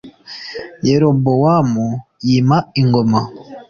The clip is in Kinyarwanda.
yerobowamu h yima ingoma